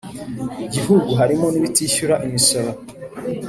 gihugu harimo n ibitishyura imisoro